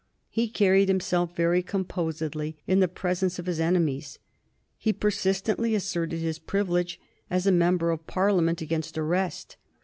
He carried himself very composedly in the presence of his enemies. He persistently asserted his privilege, as a member of Parliament, against arrest.